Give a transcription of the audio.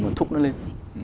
mà thúc nó lên